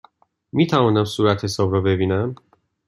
می توانم صورتحساب را ببینم؟